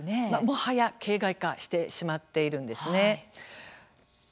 もはや形骸化してしまっているんですね。